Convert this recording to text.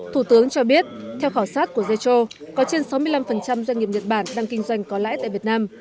thủ tướng cho biết theo khảo sát của zetro có trên sáu mươi năm doanh nghiệp nhật bản đang kinh doanh có lãi tại việt nam